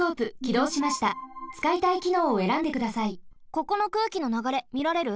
ここの空気のながれみられる？